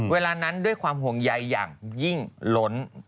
เวลานั้นด้วยความห่วงใยอย่างยิ่งล้น